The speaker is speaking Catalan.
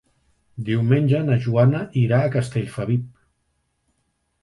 Diumenge na Joana irà a Castellfabib.